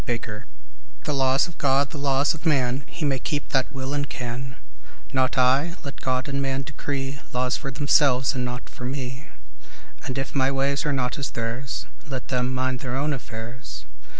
Housman XII THE laws of God, the laws of man, He may keep that will and can; Not I: let God and man decree Laws for themselves and not for me; And if my ways are not as theirs Let them mind their own affairs.